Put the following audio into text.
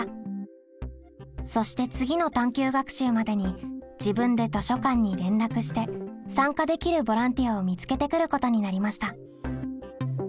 そして次の探究学習までに自分で図書館に連絡して参加できるボランティアを見つけてくることになりました。